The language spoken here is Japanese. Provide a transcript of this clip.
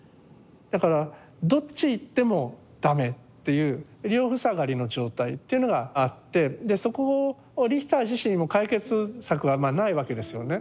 だからどっち行っても駄目っていう両塞がりの状態っていうのがあってでそこをリヒター自身も解決策はないわけですよね。